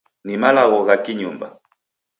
Ni malagho gha ki-nyumba.